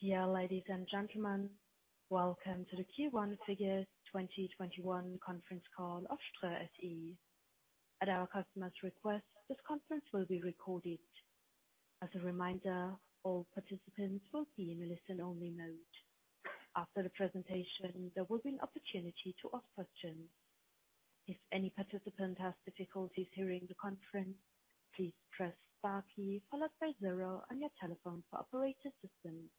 Dear ladies and gentlemen, welcome to the Q1 figures 2021 conference call of Ströer SE. At our customer's request, this conference will be recorded. As a reminder, all participants will be in a listen-only mode. After the presentation, there will be an opportunity to ask questions. If any participant has difficulties hearing the conference, please press star key followed by zero on your telephone for operator assistance.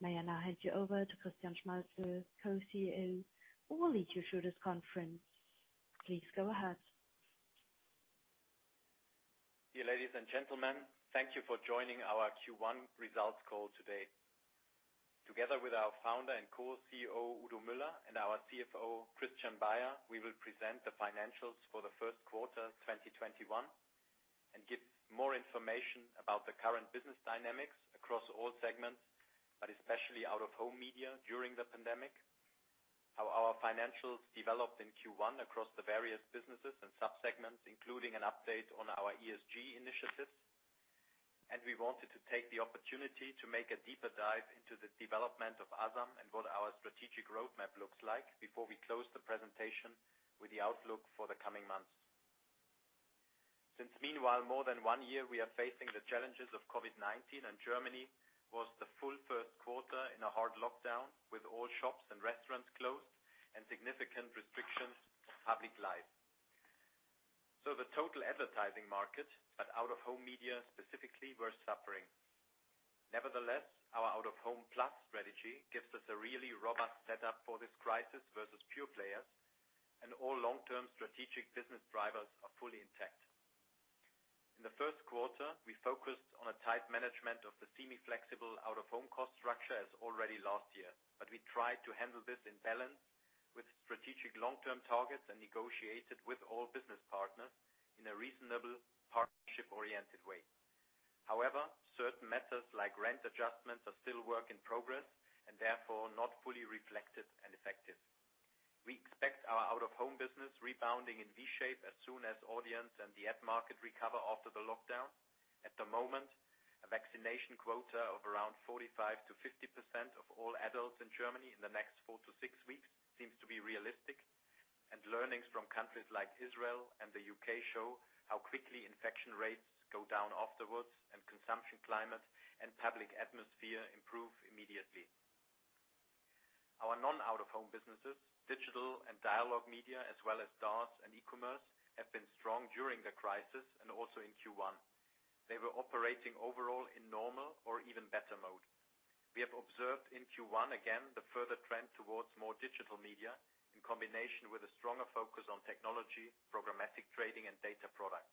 May I now hand you over to Christian Schmalzl, Co-CEO, who will lead you through this conference. Please go ahead. Dear ladies and gentlemen, thank you for joining our Q1 results call today. Together with our founder and Co-CEO, Udo Müller, and our CFO, Christian Baier, we will present the financials for the first quarter 2021, and give more information about the current business dynamics across all segments, but especially out-of-home media during the pandemic. How our financials developed in Q1 across the various businesses and sub-segments, including an update on our ESG initiatives. We wanted to take the opportunity to make a deeper dive into the development of Asam and what our strategic roadmap looks like before we close the presentation with the outlook for the coming months. Since meanwhile, more than one year, we are facing the challenges of COVID-19, and Germany was the full first quarter in a hard lockdown, with all shops and restaurants closed and significant restrictions on public life. The total advertising market, but out-of-home media specifically, were suffering. Nevertheless, our Out-of-Home plus strategy gives us a really robust setup for this crisis versus pure players, and all long-term strategic business drivers are fully intact. In the first quarter, we focused on a tight management of the semi-flexible out-of-home cost structure as already last year. We tried to handle this in balance with strategic long-term targets and negotiate it with all business partners in a reasonable partnership-oriented way. However, certain methods like rent adjustments are still work in progress and therefore not fully reflected and effective. We expect our out-of-home business rebounding in V-shape as soon as audience and the ad market recover after the lockdown. At the moment, a vaccination quota of around 45%-50% of all adults in Germany in the next four to six weeks seems to be realistic, and learnings from countries like Israel and the U.K. show how quickly infection rates go down afterwards, and consumption climate and public atmosphere improve immediately. Our non-out-of-home businesses, digital and dialogue media, as well as DaaS and e-commerce, have been strong during the crisis and also in Q1. They were operating overall in normal or even better mode. We have observed in Q1, again, the further trend towards more digital media in combination with a stronger focus on technology, programmatic trading, and data product.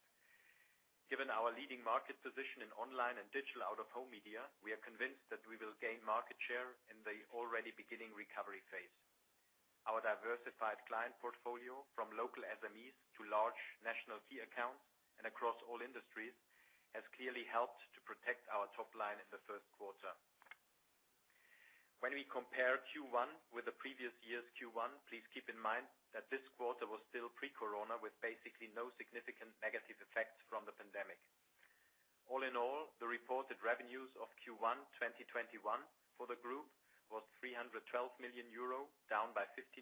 Given our leading market position in online and digital out-of-home media, we are convinced that we will gain market share in the already beginning recovery phase. Our diversified client portfolio, from local SMEs to large national key accounts and across all industries, has clearly helped to protect our top line in the first quarter. When we compare Q1 with the previous year's Q1, please keep in mind that this quarter was still pre-corona, with basically no significant negative effects from the pandemic. All in all, the reported revenues of Q1 2021 for the group was 312 million euro, down by 15%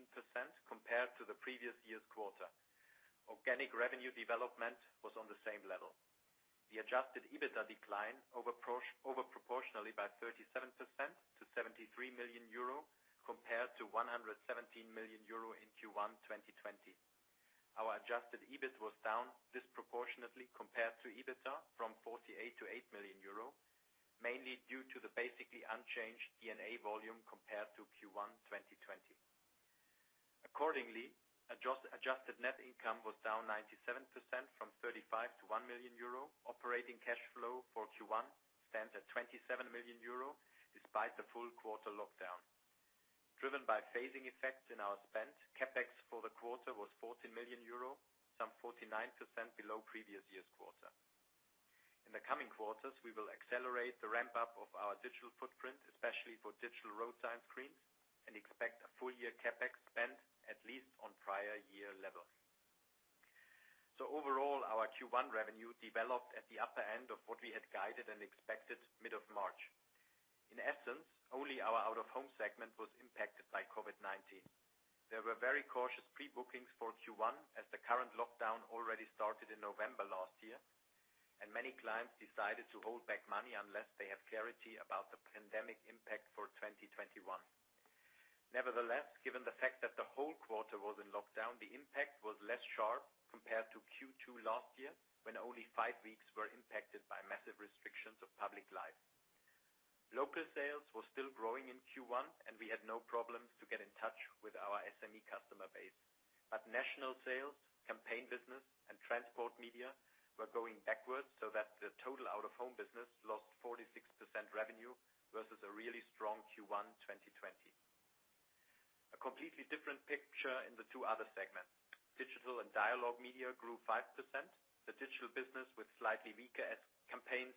compared to the previous year's quarter. Organic revenue development was on the same level. The adjusted EBITDA declined overproportionally by 37% to 73 million euro, compared to 117 million euro in Q1 2020. Our adjusted EBIT was down disproportionately compared to EBITDA from 48 million-8 million euro, mainly due to the basically unchanged D&A volume compared to Q1 2020. Accordingly, adjusted net income was down 97% from 35 million-1 million euro. Operating cash flow for Q1 stands at 27 million euro, despite the full quarter lockdown. Driven by phasing effects in our spend, CapEx for the quarter was 14 million euro, some 49% below previous year's quarter. In the coming quarters, we will accelerate the ramp-up of our digital footprint, especially for digital roadside screens, and expect a full-year CapEx spend at least on prior year level. Overall, our Q1 revenue developed at the upper end of what we had guided and expected mid of March. In essence, only our out-of-home segment was impacted by COVID-19. There were very cautious pre-bookings for Q1 as the current lockdown already started in November last year, and many clients decided to hold back money unless they have clarity about the pandemic impact for 2021. Given the fact that the whole quarter was in lockdown, the impact was less sharp compared to Q2 last year, when only five weeks were impacted by massive restrictions of public life. Local sales were still growing in Q1, we had no problems to get in touch with our SME customer base. National sales, campaign business, and transport media were going backwards so that the total out-of-home business lost 46% revenue versus a really strong Q1 2020. A completely different picture in the two other segments. Digital and dialogue media grew 5%. The digital business was slightly weaker as Easter campaigns.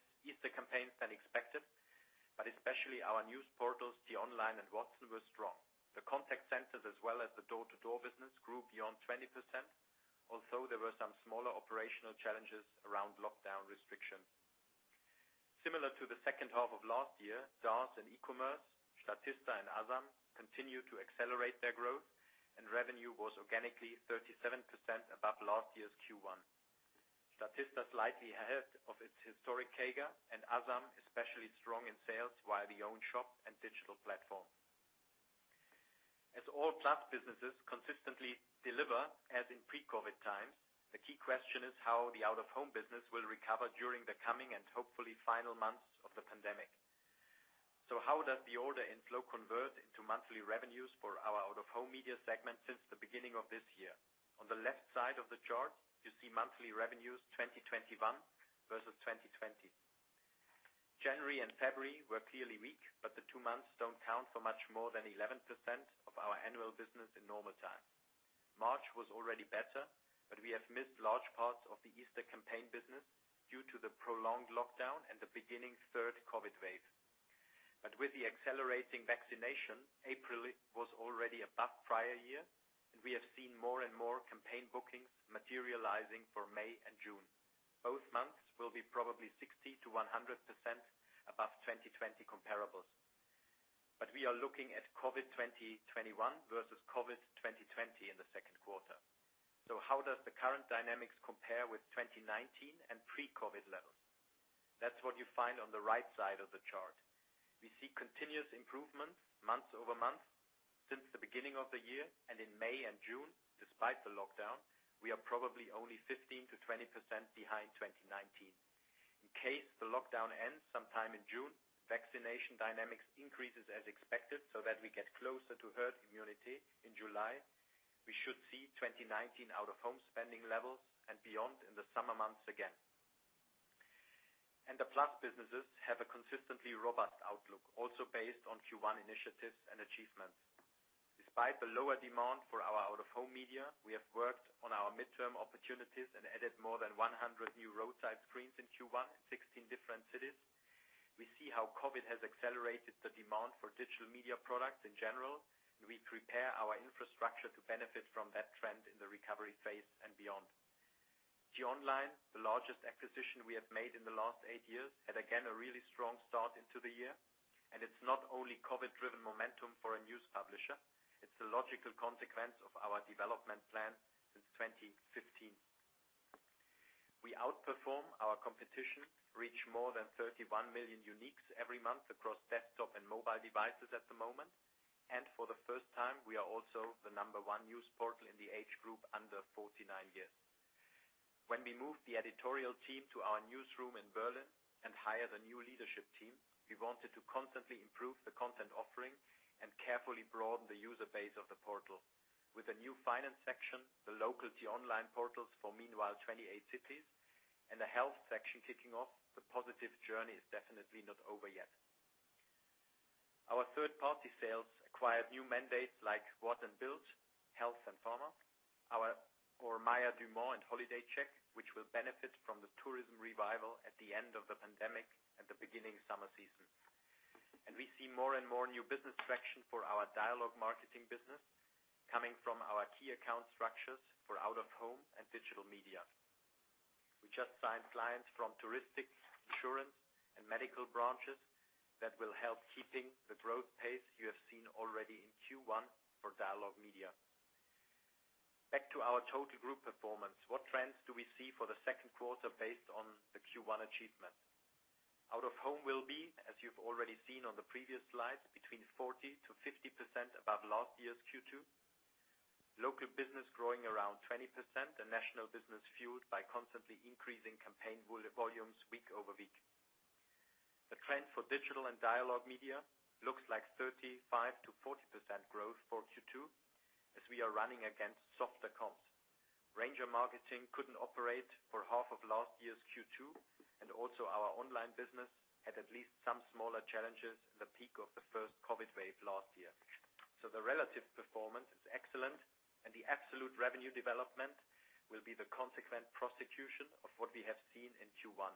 Our news portals, t-online and watson were strong. The contact centers, as well as the door-to-door business grew beyond 20%. There were some smaller operational challenges around lockdown restrictions. Similar to the second half of last year, DaaS and E-commerce, Statista and Asam continued to accelerate their growth, and revenue was organically 37% above last year's Q1. Statista slightly ahead of its historic CAGR, and Asam especially strong in sales via the own shop and digital platform. As all plus businesses consistently deliver as in pre-COVID-19 times, the key question is how the out-of-home business will recover during the coming and hopefully final months of the pandemic. How does the order inflow convert into monthly revenues for our out-of-home media segment since the beginning of this year? On the left side of the chart, you see monthly revenues 2021 versus 2020. January and February were clearly weak, but the two months don't count for much more than 11% of our annual business in normal times. March was already better. We have missed large parts of the Easter campaign business due to the prolonged lockdown and the beginning third COVID wave. With the accelerating vaccination, April was already above prior year, and we have seen more and more campaign bookings materializing for May and June. Both months will be probably 60%-100% above 2020 comparables. We are looking at COVID 2021 versus COVID 2020 in the second quarter. How does the current dynamics compare with 2019 and pre-COVID levels? That's what you find on the right side of the chart. We see continuous improvements month-over-month since the beginning of the year, and in May and June, despite the lockdown, we are probably only 15%-20% behind 2019. In case the lockdown ends sometime in June, vaccination dynamics increases as expected so that we get closer to herd immunity in July. The plus businesses have a consistently robust outlook, also based on Q1 initiatives and achievements. Despite the lower demand for our out-of-home media, we have worked on our midterm opportunities and added more than 100 new roadside screens in Q1 in 16 different cities. We see how COVID has accelerated the demand for digital media products in general, and we prepare our infrastructure to benefit from that trend in the recovery phase and beyond. t-online, the largest acquisition we have made in the last eight years, had again, a really strong start into the year, and it's not only COVID-driven momentum for a news publisher. It's the logical consequence of our development plan since 2015. We outperform our competition, reach more than 31 million uniques every month across desktop and mobile devices at the moment. For the first time, we are also the number one news portal in the age group under 49 years. When we moved the editorial team to our newsroom in Berlin and hired a new leadership team, we wanted to constantly improve the content offering and carefully broaden the user base of the portal. With a new finance section, the local t-online portals for meanwhile 28 cities, and the health section kicking off, the positive journey is definitely not over yet. Our third-party sales acquired new mandates like Wort & Bild Verlag, Health and Pharma, MairDumont and HolidayCheck, which will benefit from the tourism revival at the end of the pandemic and the beginning summer season. We see more and more new business traction for our dialogue marketing business coming from our key account structures for out-of-home and digital media. We just signed clients from touristic, insurance, and medical branches that will help keeping the growth pace you have seen already in Q1 for Dialog Media. Back to our total group performance. What trends do we see for the second quarter based on the Q1 achievement? Out-of-home will be, as you've already seen on the previous slide, between 40%-50% above last year's Q2. Local business growing around 20% and national business fueled by constantly increasing campaign volumes week over week. The trend for digital and dialogue media looks like 35%-40% growth for Q2, as we are running against softer comps. Ranger Marketing couldn't operate for half of last year's Q2. Also, our online business had at least some smaller challenges in the peak of the first COVID wave last year. The relative performance is excellent, and the absolute revenue development will be the consequent prosecution of what we have seen in Q1.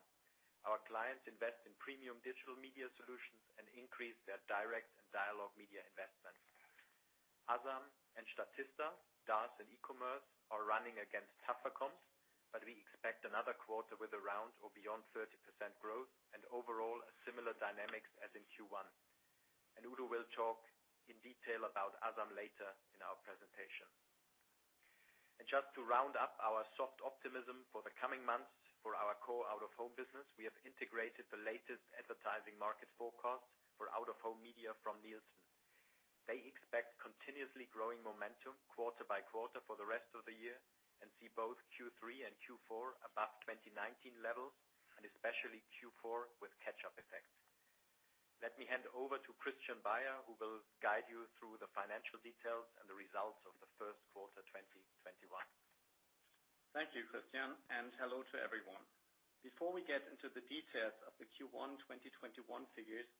Our clients invest in premium digital media solutions and increase their direct and dialogue media investments. Asam and Statista, DaaS and e-commerce are running against tougher comps, but we expect another quarter with around or beyond 30% growth and overall a similar dynamics as in Q1. Udo will talk in detail about Asam later in our presentation. Just to round up our soft optimism for the coming months for our core out-of-home business, we have integrated the latest advertising market forecast for out-of-home media from Nielsen. They expect continuously growing momentum quarter by quarter for the rest of the year and see both Q3 and Q4 above 2019 levels, and especially Q4 with catch-up effects. Let me hand over to Christian Baier who will guide you through the financial details and the results of the first quarter 2021. Thank you, Christian, and hello to everyone. Before we get into the details of the Q1 2021 figures,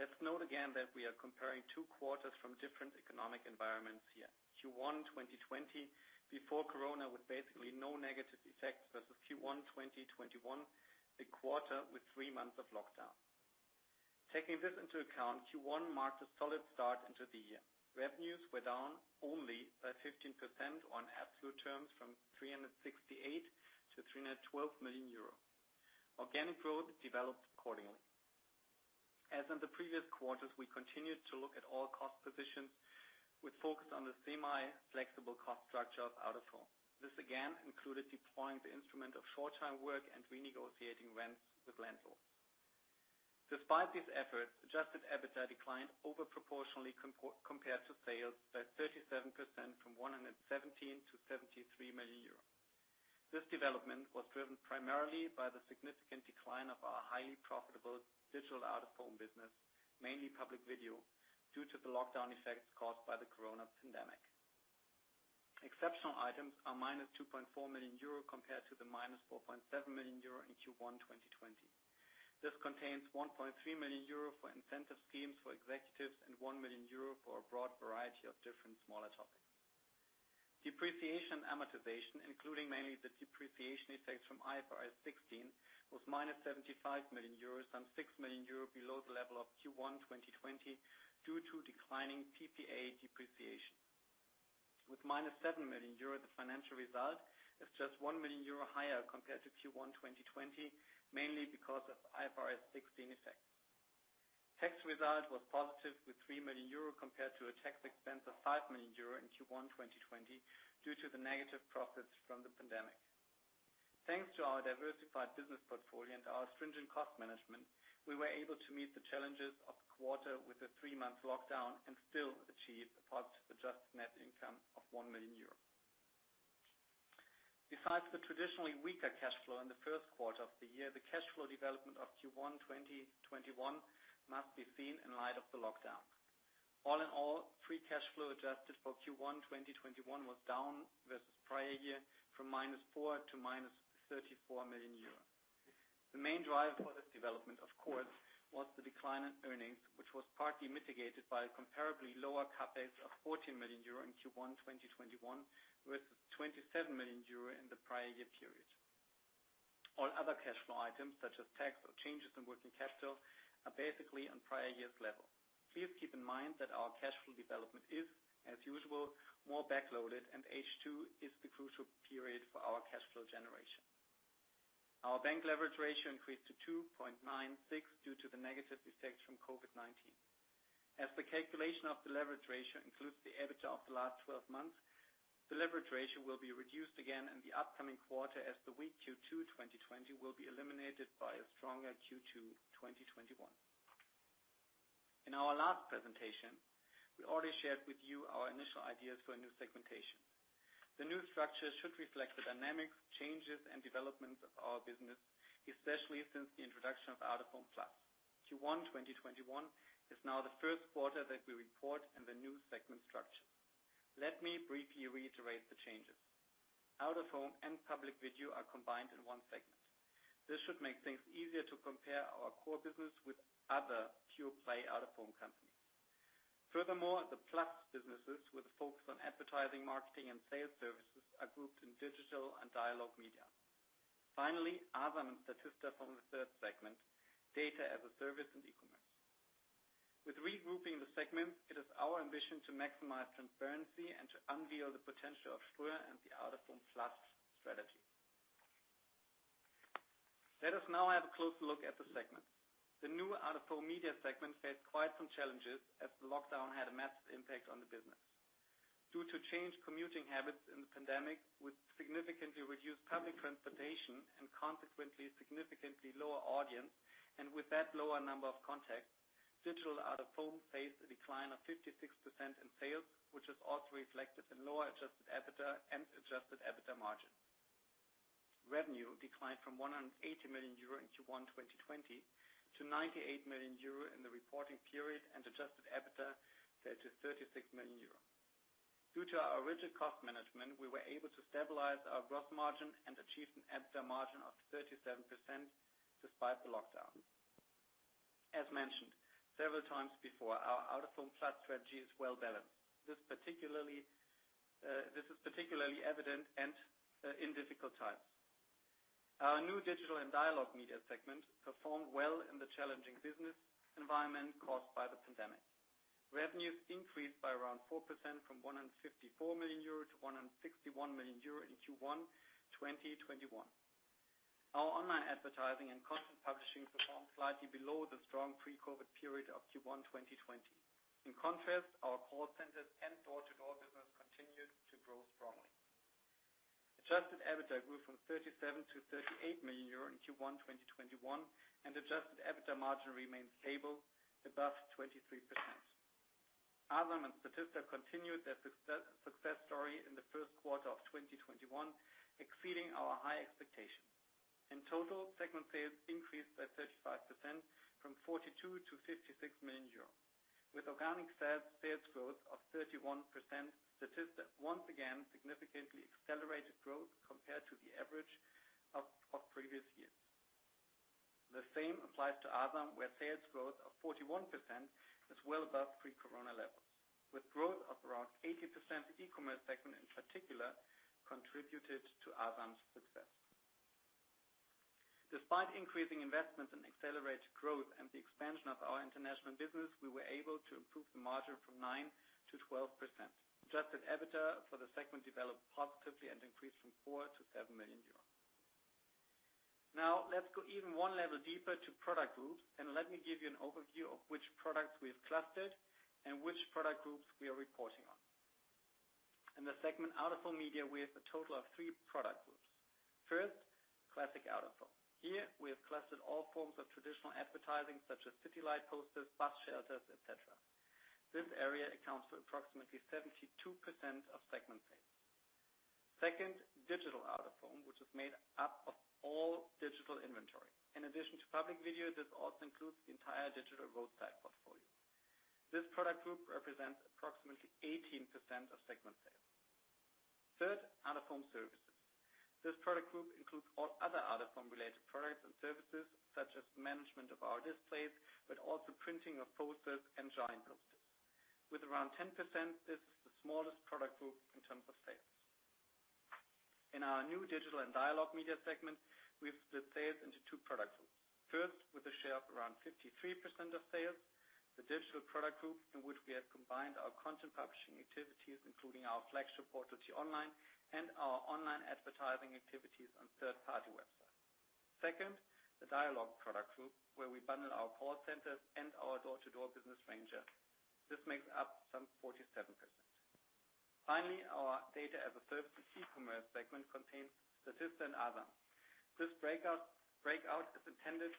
let's note again that we are comparing two quarters from different economic environments here. Q1 2020 before Corona, with basically no negative effects versus Q1 2021, a quarter with three months of lockdown. Taking this into account, Q1 marked a solid start into the year. Revenues were down only by 15% on absolute terms from 368 million to 312 million euros. Organic growth developed accordingly. As in the previous quarters, we continued to look at all cost positions with focus on the semi-flexible cost structure of out-of-home. This again included deploying the instrument of short time work and renegotiating rents with landlords. Despite these efforts, adjusted EBITDA declined over proportionally compared to sales by 37% from 117 million to 73 million euros. This development was driven primarily by the significant decline of our highly profitable digital out-of-home business, mainly Public Video, due to the lockdown effects caused by the COVID-19 pandemic. Exceptional items are minus 2.4 million euro compared to the minus 4.7 million euro in Q1 2020. This contains 1.3 million euro for incentive schemes for executives and 1 million euro for a broad variety of different smaller topics. Depreciation amortization, including mainly the depreciation effects from IFRS 16, was minus 75 million euros, some 6 million euro below the level of Q1 2020 due to declining PPA depreciation. With minus 7 million euro, the financial result is just 1 million euro higher compared to Q1 2020, mainly because of IFRS 16 effects. Tax result was positive with 3 million euro compared to a tax expense of 5 million euro in Q1 2020 due to the negative profits from the pandemic. Thanks to our diversified business portfolio and our stringent cost management, we were able to meet the challenges of the quarter with a three-month lockdown and still achieve a positive adjusted net income of 1 million euros. Besides the traditionally weaker cash flow in the first quarter of the year, the cash flow development of Q1 2021 must be seen in light of the lockdown. All in all, free cash flow adjusted for Q1 2021 was down versus prior year from -4 million to -34 million euros. The main driver for this development, of course, was the decline in earnings, which was partly mitigated by a comparably lower CapEx of 14 million euro in Q1 2021, versus 27 million euro in the prior year period. All other cash flow items such as tax or changes in working capital are basically on prior year's level. Please keep in mind that our cash flow development is, as usual, more back-loaded, and H2 is the crucial period for our cash flow generation. Our bank leverage ratio increased to 2.96 due to the negative effects from COVID-19. As the calculation of the leverage ratio includes the EBITDA of the last 12 months, the leverage ratio will be reduced again in the upcoming quarter as the weak Q2 2020 will be eliminated by a stronger Q2 2021. In our last presentation, we already shared with you our initial ideas for a new segmentation. The new structure should reflect the dynamics, changes, and developments of our business, especially since the introduction of Out-of-Home Plus. Q1 2021 is now the first quarter that we report in the new segment structure. Let me briefly reiterate the changes. Out-of-home and Public Video are combined in one segment. This should make things easier to compare our core business with other pure-play out-of-home companies. The plus businesses, with a focus on advertising, marketing, and sales services, are grouped in digital and dialogue media. Asam and Statista form the third segment, data as a service and e-commerce. With regrouping the segments, it is our ambition to maximize transparency and to unveil the potential of Ströer and the Out-of-Home plus strategy. Let us now have a closer look at the segments. The new Out-of-Home media segment faced quite some challenges as the lockdown had a massive impact on the business. Due to changed commuting habits in the pandemic, with significantly reduced public transportation and consequently significantly lower audience, and with that, lower number of contacts, digital out-of-home faced a decline of 56% in sales, which is also reflected in lower adjusted EBITDA and adjusted EBITDA margin. Revenue declined from 180 million euro in Q1 2020 to 98 million euro in the reporting period, and adjusted EBITDA fell to 36 million euro. Due to our rigid cost management, we were able to stabilize our gross margin and achieve an EBITDA margin of 37% despite the lockdown. As mentioned several times before, our Out-of-Home plus strategy is well-balanced. This is particularly evident in difficult times. Our new digital and dialogue media segment performed well in the challenging business environment caused by the pandemic. Revenues increased by around 4%, from 154 million-161 million euro in Q1 2021. Our online advertising and content publishing performed slightly below the strong pre-COVID period of Q1 2020. In contrast, our call centers and door-to-door business continued to grow strongly. Adjusted EBITDA grew from 37 million-38 million euro in Q1 2021. Adjusted EBITDA margin remains stable above 23%. Asam and Statista continued their success story in the first quarter of 2021, exceeding our high expectations. In total, segment sales increased by 35%, from 42 million-56 million euros. With organic sales growth of 31%, Statista once again significantly accelerated growth compared to the average of previous years. The same applies to Asam, where sales growth of 41% is well above pre-corona levels. With growth of around 80%, the e-commerce segment in particular contributed to Asam's success. Despite increasing investments in accelerated growth and the expansion of our international business, we were able to improve the margin from 9%-12%. Adjusted EBITDA for the segment developed positively and increased from 4 million-7 million euros. Now let's go even one level deeper to product groups, and let me give you an overview of which products we have clustered and which product groups we are reporting on. In the segment Out-of-Home Media, we have a total of three product groups. First, classic out-of-home. Here, we have clustered all forms of traditional advertising, such as city light posters, bus shelters, et cetera. This area accounts for approximately 72% of segment sales. Second, digital out-of-home, which is made up of all digital inventory. In addition to Public Video, this also includes the entire digital roadside portfolio. This product group represents approximately 18% of segment sales. Third, Out-of-Home Services. This product group includes all other out-of-home related products and services, such as management of our displays, but also printing of posters and giant posters. With around 10%, this is the smallest product group in terms of sales. In our new Digital and Dialogue Media segment, we've split sales into two product groups. First, with a share of around 53% of sales, the digital product group, in which we have combined our content publishing activities, including our flagship portal, t-online, and our online advertising activities on third-party websites. Second, the dialogue product group, where we bundle our call centers and our door-to-door business Ranger Marketing. This makes up some 47%. Finally, our Data as a Service and E-commerce segment contains Statista and Asam. This breakout is intended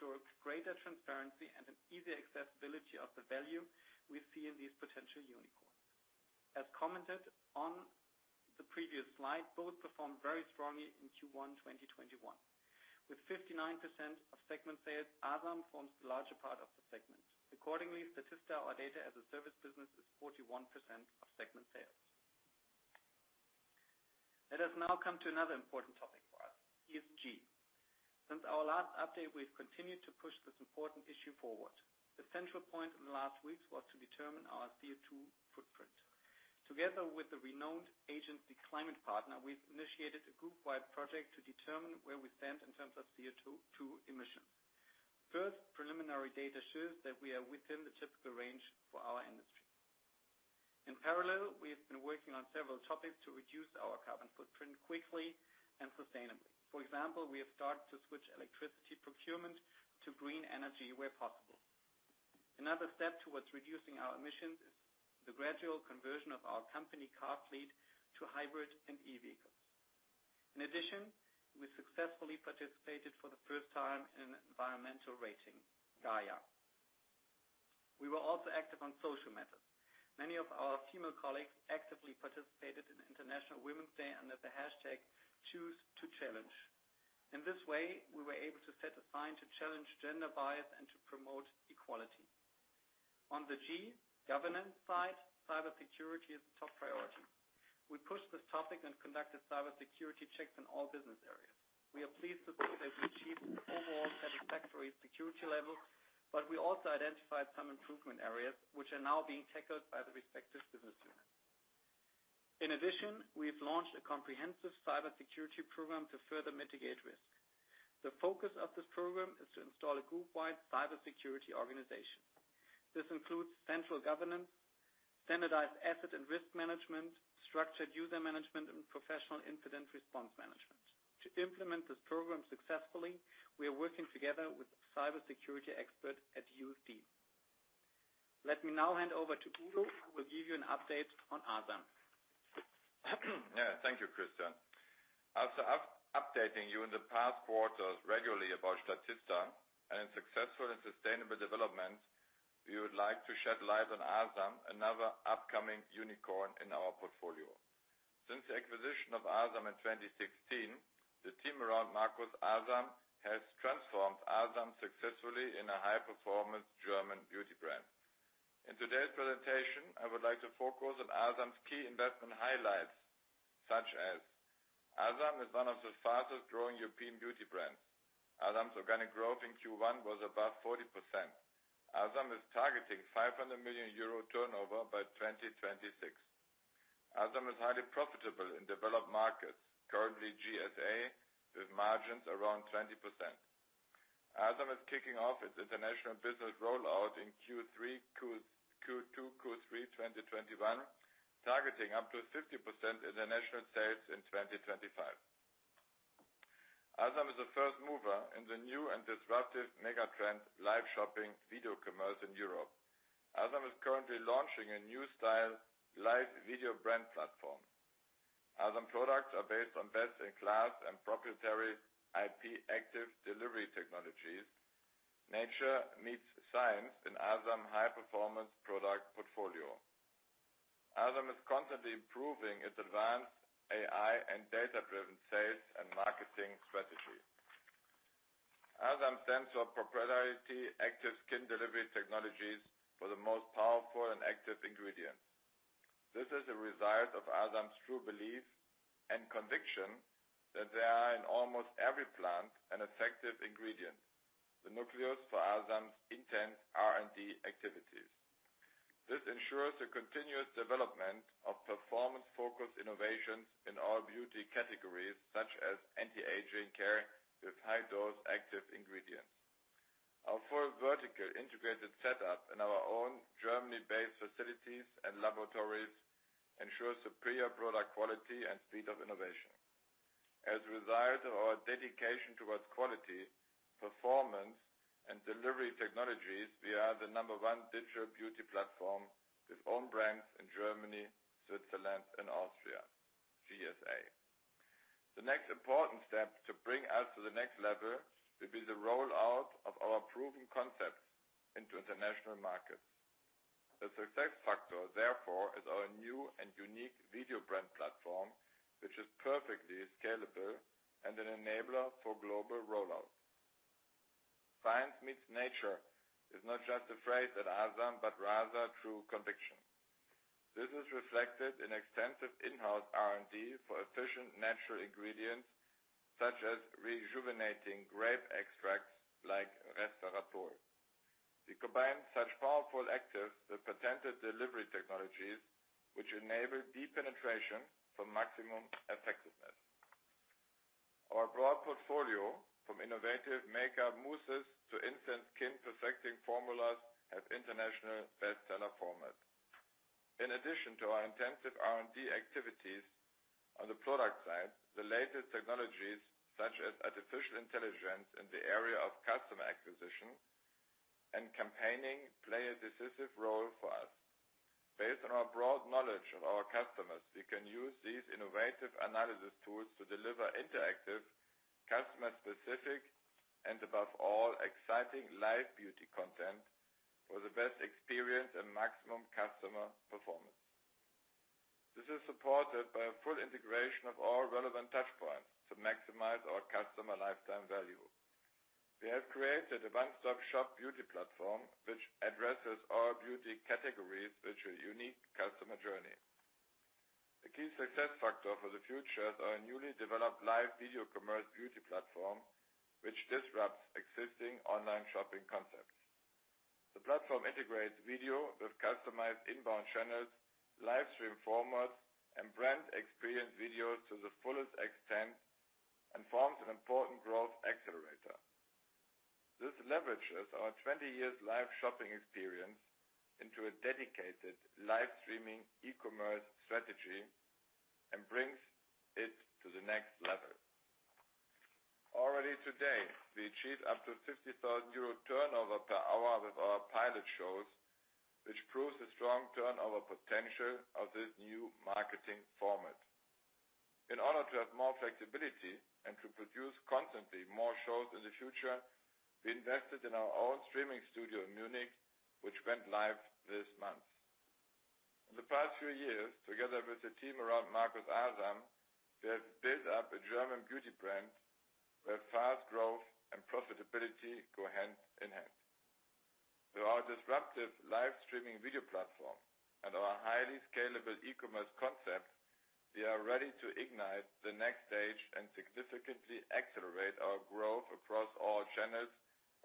to ensure greater transparency and an easy accessibility of the value we see in these potential unicorns. As commented on the previous slide, both performed very strongly in Q1 2021. With 59% of segment sales, Asam forms the larger part of the segment. Accordingly, Statista, our Data as a Service business, is 41% of segment sales. Let us now come to another important topic for us, ESG. Since our last update, we've continued to push this important issue forward. The central point in the last weeks was to determine our CO2 footprint. Together with the renowned agency, ClimatePartner, we've initiated a group-wide project to determine where we stand in terms of CO2 emissions. First, preliminary data shows that we are within the typical range for our industry. In parallel, we have been working on several topics to reduce our carbon footprint quickly and sustainably. For example, we have started to switch electricity procurement to green energy where possible. Another step towards reducing our emissions is the gradual conversion of our company car fleet to hybrid and EV. In addition, we successfully participated for the first time in an environmental rating, GAIA. We were also active on social matters. Many of our female colleagues actively participated in International Women's Day under the hashtag choose to challenge. In this way, we were able to set a sign to challenge gender bias and to promote equality. On the G, governance side, cybersecurity is a top priority. We pushed this topic and conducted cybersecurity checks in all business areas. We are pleased that we have achieved overall satisfactory security levels. We also identified some improvement areas which are now being tackled by the respective business units. In addition, we've launched a comprehensive cybersecurity program to further mitigate risk. The focus of this program is to install a group-wide cybersecurity organization. This includes central governance, standardized asset and risk management, structured user management, and professional incident response management. To implement this program successfully, we are working together with cybersecurity expert at USD. Let me now hand over to Udo, who will give you an update on Asam. Thank you, Christian. After updating you in the past quarters regularly about Statista and its successful and sustainable development, we would like to shed light on Asam, another upcoming unicorn in our portfolio. Since the acquisition of Asam in 2016, the team around Marcus Asam has transformed Asam successfully in a high-performance German beauty brand. In today's presentation, I would like to focus on Asam's key investment highlights, such as Asam is one of the fastest-growing European beauty brands. Asam's organic growth in Q1 was above 40%. Asam is targeting 500 million euro turnover by 2026. Asam is highly profitable in developed markets, currently GSA, with margins around 20%. Asam is kicking off its international business rollout in Q2, Q3 2021, targeting up to 50% international sales in 2025. Asam is the first mover in the new and disruptive mega-trend live shopping video commerce in Europe. Asam is currently launching a new style live video brand platform. Asam products are based on best-in-class and proprietary IP active delivery technologies. Nature meets science in Asam high-performance product portfolio. Asam is constantly improving its advanced AI and data-driven sales and marketing strategy. Asam stands for proprietary active skin delivery technologies for the most powerful and active ingredients. This is a result of Asam's true belief and conviction that there are, in almost every plant, an effective ingredient, the nucleus for Asam's intense R&D activities. This ensures the continuous development of performance-focused innovations in all beauty categories such as anti-aging care with high-dose active ingredients. Our full vertical integrated setup and our own Germany-based facilities and laboratories ensure superior product quality and speed of innovation. As a result of our dedication towards quality, performance, and delivery technologies, we are the number one digital beauty platform with own brands in Germany, Switzerland, and Austria, GSA. The next important step to bring us to the next level will be the rollout of our proven concepts into international markets. The success factor, therefore, is our new and unique video brand platform, which is perfectly scalable and an enabler for global rollout. Science meets nature is not just a phrase at Asam, but rather true conviction. This is reflected in extensive in-house R&D for efficient natural ingredients such as rejuvenating grape extracts like resveratrol. We combine such powerful actives with patented delivery technologies, which enable deep penetration for maximum effectiveness. Our broad portfolio, from innovative makeup mousses to instant skin-perfecting formulas, has international best-seller formats. In addition to our intensive R&D activities on the product side, the latest technologies such as artificial intelligence in the area of customer acquisition and campaigning play a decisive role for us. Based on our broad knowledge of our customers, we can use these innovative analysis tools to deliver interactive, customer-specific, and above all, exciting live beauty content for the best experience and maximum customer performance. This is supported by a full integration of all relevant touch points to maximize our customer lifetime value. We have created a one-stop shop beauty platform, which addresses all beauty categories with a unique customer journey. The key success factor for the future is our newly developed live video commerce beauty platform, which disrupts existing online shopping concepts. The platform integrates video with customized inbound channels, live stream formats, and brand experience videos to the fullest extent and forms an important growth accelerator. This leverages our 20 years live shopping experience into a dedicated live streaming e-commerce strategy and brings it to the next level. Already today, we achieved up to 50,000 euro turnover per hour with our pilot shows, which proves the strong turnover potential of this new marketing format. In order to have more flexibility and to produce constantly more shows in the future, we invested in our own streaming studio in Munich, which went live this month. In the past few years, together with the team around Marcus Asam, we have built up a German beauty brand where fast growth and profitability go hand in hand. Through our disruptive live streaming video platform and our highly scalable e-commerce concept, we are ready to ignite the next stage and significantly accelerate our growth across all channels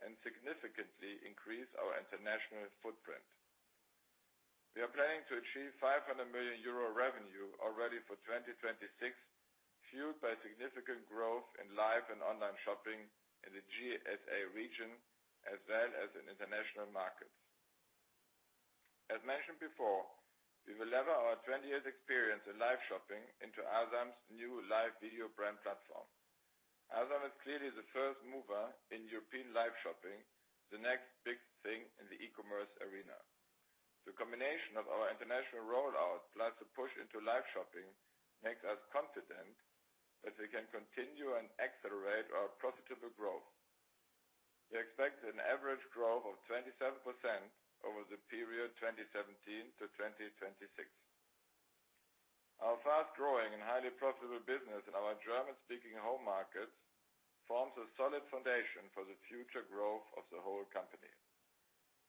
and significantly increase our international footprint. We are planning to achieve 500 million euro revenue already for 2026, fueled by significant growth in live and online shopping in the GSA region, as well as in international markets. As mentioned before, we will lever our 20 years experience in live shopping into Asam's new live video brand platform. Asam is clearly the first mover in European live shopping, the next big thing in the e-commerce arena. The combination of our international rollout plus the push into live shopping makes us confident that we can continue and accelerate our profitable growth. We expect an average growth of 27% over the period 2017 to 2026. Our fast-growing and highly profitable business in our German-speaking home markets forms a solid foundation for the future growth of the whole company.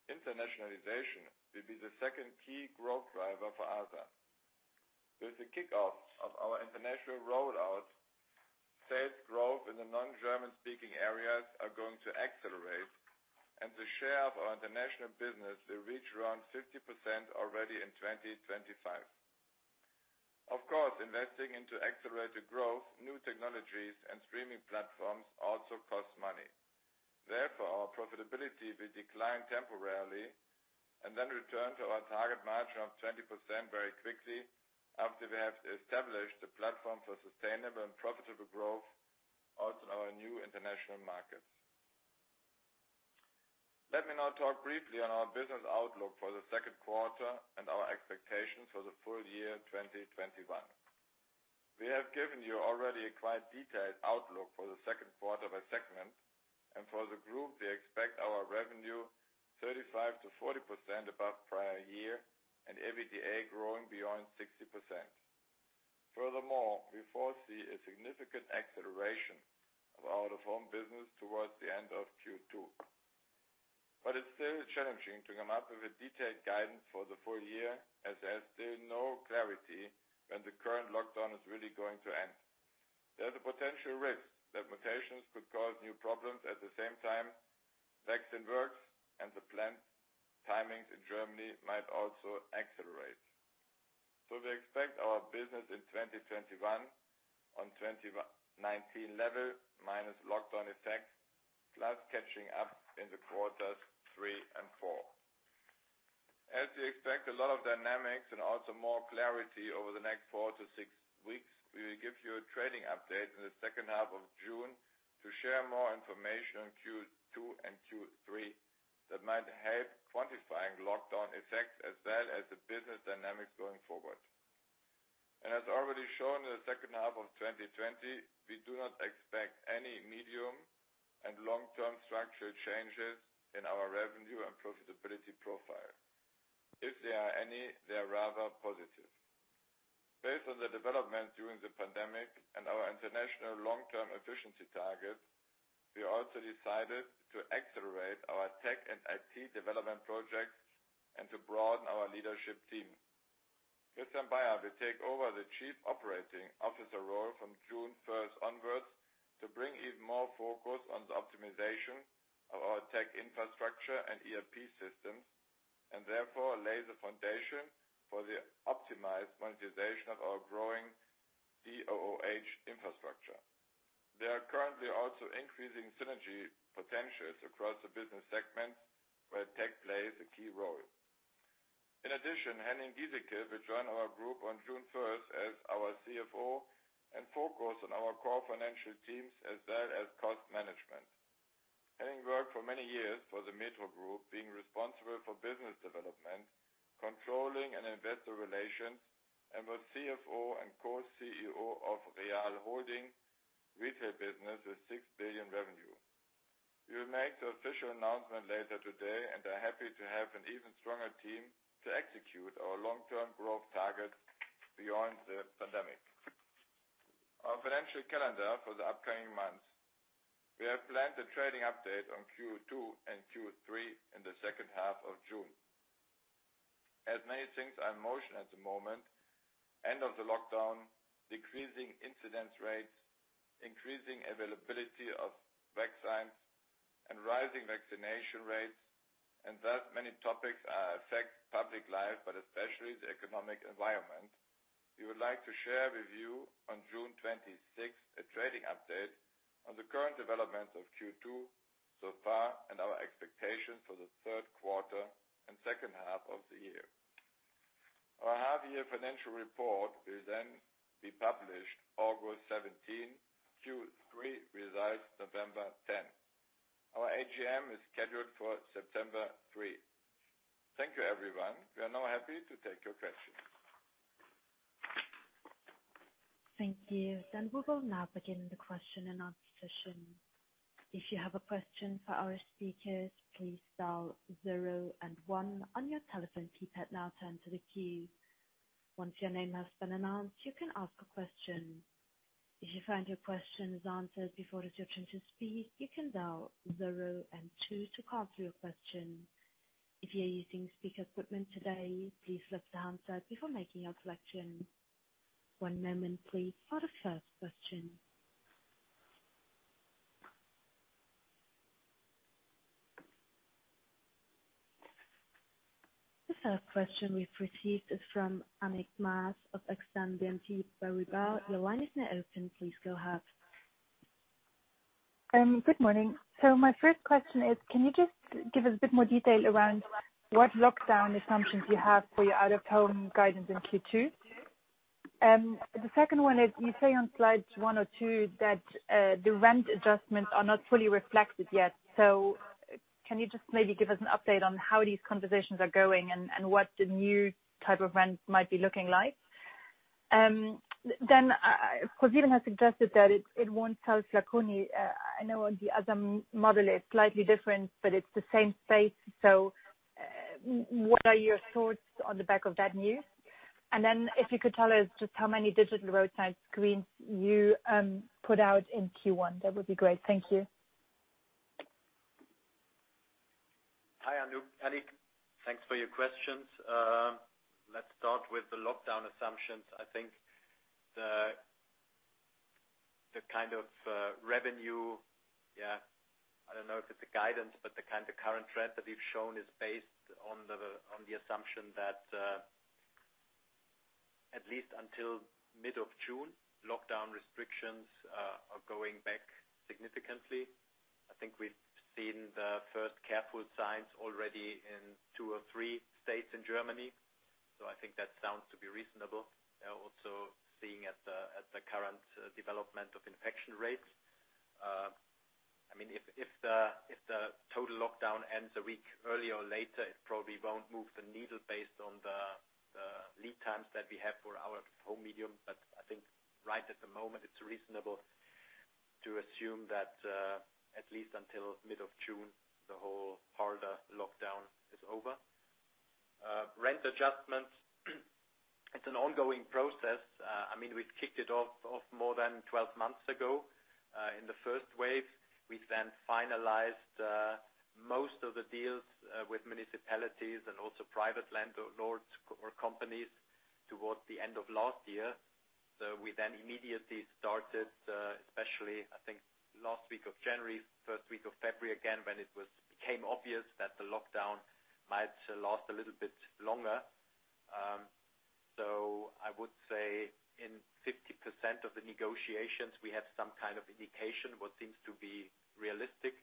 Internationalization will be the second key growth driver for Asam. With the kickoff of our international rollout, sales growth in the non-German-speaking areas are going to accelerate, and the share of our international business will reach around 50% already in 2025. Of course, investing into accelerated growth, new technologies, and streaming platforms also costs money. Our profitability will decline temporarily and then return to our target margin of 20% very quickly after we have established the platform for sustainable and profitable growth out in our new international markets. Let me now talk briefly on our business outlook for the second quarter and our expectations for the full year 2021. We have given you already a quite detailed outlook for the second quarter by segment, and for the group, we expect our revenue 35%-40% above prior year and EBITDA growing beyond 60%. We foresee a significant acceleration of our out-of-home business towards the end of Q2. It's still challenging to come up with a detailed guidance for the full year, as there's still no clarity when the current lockdown is really going to end. There is a potential risk that mutations could cause new problems. At the same time, vaccine works and the planned timings in Germany might also accelerate. We expect our business in 2021 on 2019 level minus lockdown effects, plus catching up in the quarters three and four. As we expect a lot of dynamics and also more clarity over the next four to six weeks, we will give you a trading update in the second half of June to share more information on Q2 and Q3 that might help quantifying lockdown effects as well as the business dynamics going forward. As already shown in the second half of 2020, we do not expect any medium and long-term structural changes in our revenue and profitability profile. If there are any, they are rather positive. Based on the development during the pandemic and our international long-term efficiency targets, we also decided to accelerate our tech and IT development projects and to broaden our leadership team. Christian Baier will take over the Chief Operating Officer role from June 1st onwards to bring even more focus on the optimization of our tech infrastructure and ERP systems, and therefore lay the foundation for the optimized monetization of our growing DOOH infrastructure. There are currently also increasing synergy potentials across the business segments where tech plays a key role. In addition, Henning Gieseke will join our group on June 1st as our CFO and focus on our core financial teams as well as cost management. Henning worked for many years for the Metro Group, being responsible for business development, controlling, and investor relations, and was CFO and co-CEO of Real Holding retail business with 6 billion revenue. We will make the official announcement later today and are happy to have an even stronger team to execute our long-term growth targets beyond the pandemic. Our financial calendar for the upcoming months. We have planned a trading update on Q2 and Q3 in the second half of June. As many things are in motion at the moment, end of the lockdown, decreasing incidence rates, increasing availability of vaccines, and rising vaccination rates, and thus many topics affect public life but especially the economic environment. We would like to share with you on June 26th a trading update on the current development of Q2 so far and our expectation for the third quarter and second half of the year. Our half-year financial report will be published August 17. Q3 results November 10. Our AGM is scheduled for September 3. Thank you everyone. We are now happy to take your questions. Thank you. We will now begin the question and answer session. If you have a question for our speakers, please dial zero and one on your telephone keypad now to enter the queue. Once your name has been announced, you can ask a question. If you find your question is answered before it is your turn to speak, you can dial zero and two to cancel your question. If you are using speaker equipment today, please lift the handset before making your selection. One moment please for the first question. The first question we've received is from Annick Maas of Exane BNP Paribas. Your line is now open. Please go ahead. Good morning. My first question is, can you just give us a bit more detail around what lockdown assumptions you have for your out-of-home guidance in Q2? The second one is, you say on slides one or two that the rent adjustments are not fully reflected yet. Can you just maybe give us an update on how these conversations are going and what the new type of rent might be looking like? ProSieben has suggested that it won't sell Flaconi. I know the other model is slightly different, but it's the same space. What are your thoughts on the back of that news? If you could tell us just how many digital roadside screens you put out in Q1, that would be great. Thank you. Hi, Annick. Thanks for your questions. Let's start with the lockdown assumptions. I think the kind of revenue, I don't know if it's a guidance, but the kind of current trend that we've shown is based on the assumption that at least until mid of June, lockdown restrictions are going back significantly. I think we've seen the first careful signs already in two or three states in Germany, so I think that sounds to be reasonable. Also seeing at the current development of infection rates. If the total lockdown ends a week early or later, it probably won't move the needle based on the lead times that we have for our home medium. I think right at the moment, it's reasonable to assume that at least until mid of June, the whole harder lockdown is over. Rent adjustments, it's an ongoing process. We kicked it off more than 12 months ago. In the first wave, we finalized most of the deals with municipalities and also private landlords or companies towards the end of last year. We immediately started, especially, I think, last week of January, first week of February again, when it became obvious that the lockdown might last a little bit longer. I would say in 50% of the negotiations, we have some kind of indication what seems to be realistic.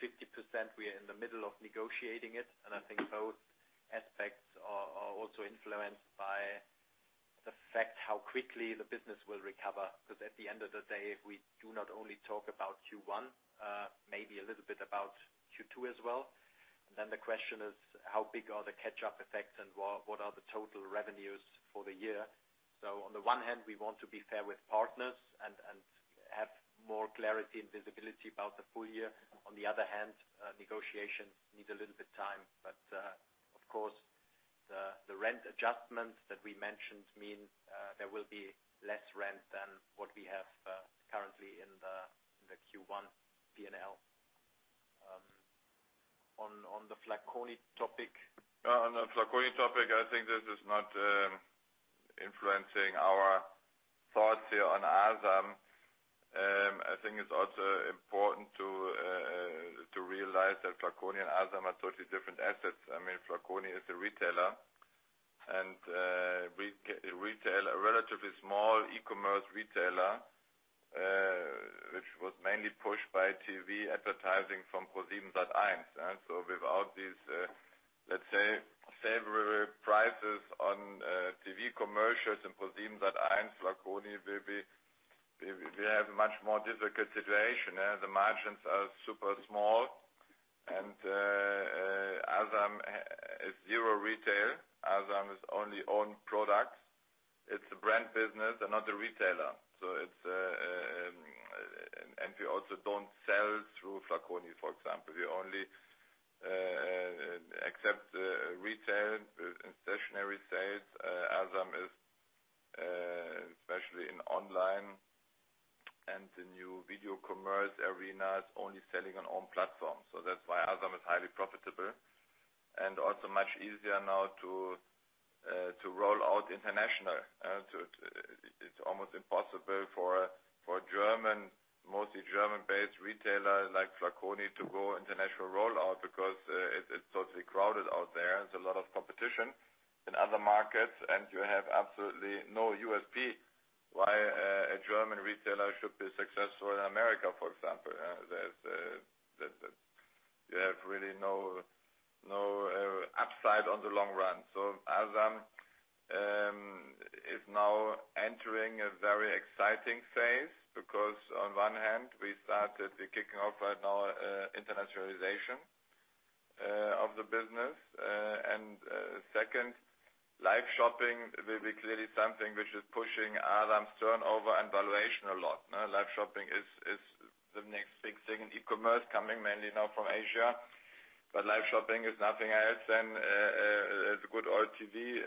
In 50%, we are in the middle of negotiating it, and I think both aspects are also influenced by the fact how quickly the business will recover. At the end of the day, if we do not only talk about Q1, maybe a little bit about Q2 as well. The question is, how big are the catch-up effects and what are the total revenues for the year? On the one hand, we want to be fair with partners and have more clarity and visibility about the full year. On the other hand, negotiations need a little bit time. Of course, the rent adjustments that we mentioned mean there will be less rent than what we have currently in the Q1 P&L. On the Flaconi topic. On the Flaconi topic, I think this is not influencing our thoughts here on Asam. I think it's also important to realize that Flaconi and Asam are totally different assets. Flaconi is a retailer, a relatively small e-commerce retailer, which was mainly pushed by TV advertising from ProSiebenSat.1. Without these, let's say, savory prices on TV commercials and ProSiebenSat.1, Flaconi will have much more difficult situation. The margins are super small. Asam is zero retail. Asam is only own products. It's a brand business and not a retailer. We also don't sell through Flaconi, for example. We only accept retail and stationary sales. Asam is, especially in online and the new video commerce arenas, only selling on own platform. That's why Asam is highly profitable and also much easier now to roll out international. It's almost impossible for a German, mostly German-based retailer like Flaconi to go international rollout because it's totally crowded out there. You have absolutely no USP why a German retailer should be successful in America, for example. You have really no upside on the long run. Asambeauty is now entering a very exciting phase because on one hand, we started the kicking off right now internationalization of the business. Second, live shopping will be clearly something which is pushing Asambeauty's turnover and valuation a lot. Live shopping is the next big thing in e-commerce coming mainly now from Asia. Live shopping is nothing else than the good old TV